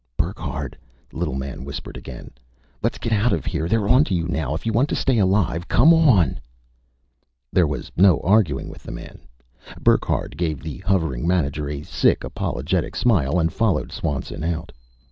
"Burckhardt!" the little man whispered again. "Let's get out of here! They're on to you now. If you want to stay alive, come on!" There was no arguing with the man. Burckhardt gave the hovering manager a sick, apologetic smile and followed Swanson out.